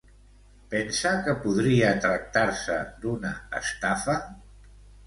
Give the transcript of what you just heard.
Pensa que podria tractar-se d'una estafa?